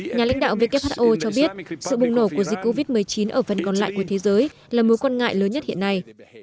nhà lãnh đạo who cho biết sự bùng nổ của dịch covid một mươi chín ở phần còn lại của thế giới là mối quan ngại lớn nhất hiện nay